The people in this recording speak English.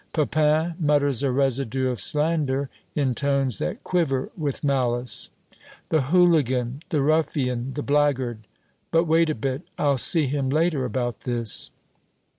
Pepin mutters a residue of slander in tones that quiver with malice "The hooligan, the ruffian, the blackguard! But wait a bit! I'll see him later about this!"